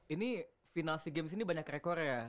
ini final sea games ini banyak rekor ya